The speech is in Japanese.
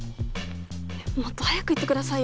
もっと早く言ってくださいよ。